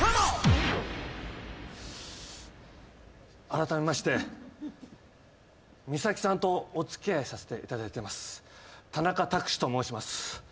あらためましてミサキさんとお付き合いさせていただいてます田中卓志と申します。